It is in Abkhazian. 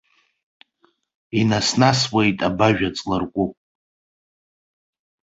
Инас-насуеит абажә аҵларкәыкә.